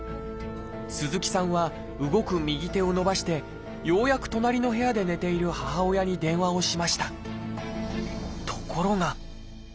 鈴木さんは動く右手を伸ばしてようやく隣の部屋で寝ている母親に電話をしました。